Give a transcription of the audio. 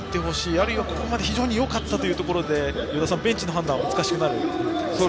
あるいは、ここまで非常によかったというところで与田さん、ベンチの判断は？